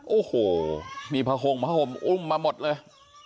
โอ้โหมีผงผงอุ้มมาหมดเลย